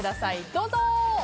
どうぞ。